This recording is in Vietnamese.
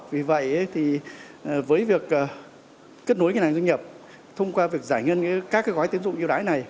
vì vậy thì với việc kết nối ngân hàng doanh nghiệp thông qua việc giải ngân các gói tín dụng ưu đải này